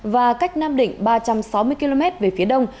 và cách nam định ba trăm sáu mươi km về phía đông